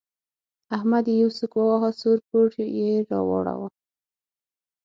احمد يې يو سوک وواهه؛ سوړ پوړ يې راواړاوو.